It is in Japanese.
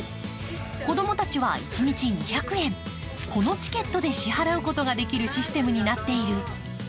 子どもたちは一日２００円、このチケットで支払うことができるシステムになっている。